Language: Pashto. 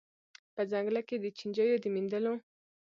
په ځنګله کي د چینجیو د میندلو